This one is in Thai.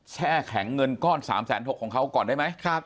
แช่แข็งเงินก้อน๓๖๐๐ของเขาก่อนได้ไหม